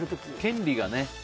権利がね。